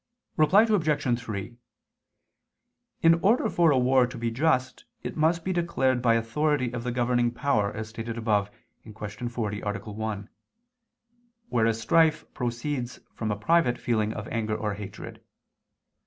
Reply Obj. 3: In order for a war to be just it must be declared by authority of the governing power, as stated above (Q. 40, A. 1); whereas strife proceeds from a private feeling of anger or hatred.